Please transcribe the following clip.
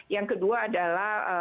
yang kedua adalah